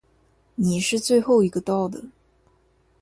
你是最后一个到的。